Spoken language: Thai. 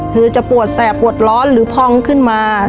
คือจะปวดแสบปวดร้อนหรือพองขึ้นมา